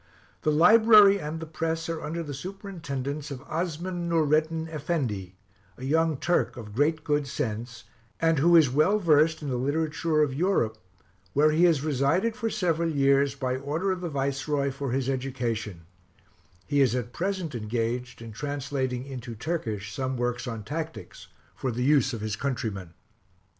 The library and the press are under the superintendence of Osman Noureddin Effendi, a young Turk of great good sense, and who is well versed in the literature of Europe, where he has resided for several years, by order of the Viceroy, for his education: he is at present engaged in translating into Turkish some works on tactics, for the use of his countrymen.